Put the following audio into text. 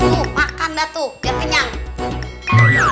tuh makan dah tuh biar kenyang